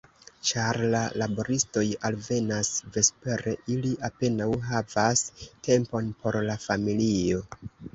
Ĉar la laboristoj alvenas vespere, ili apenaŭ havas tempon por la familio.